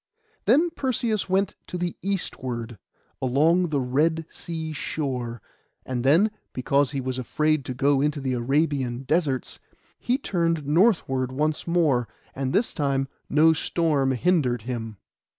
Then Perseus went to the eastward, along the Red Sea shore; and then, because he was afraid to go into the Arabian deserts, he turned northward once more, and this time no storm hindered him.